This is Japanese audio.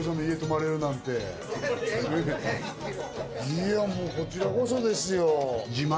いやもうこちらこそですよ。